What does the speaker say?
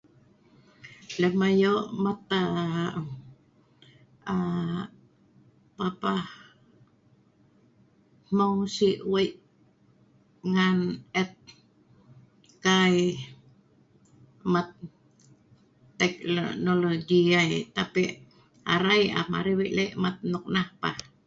Lem ayo papah hmeu si wei, ngan et kai mat teknologi ai.tapi arai am arai wei lek mat nok nah pah